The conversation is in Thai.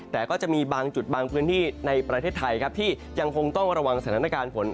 แต่ก็จะมีบางจุดบางพื้นที่ในประเทศไทยครับที่ยังคงต้องระวังสถานการณ์ฝน